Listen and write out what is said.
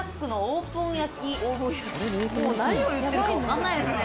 もう何を言ってるか分かんないですね。